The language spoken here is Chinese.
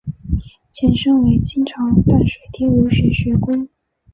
前身为清朝淡水厅儒学学宫。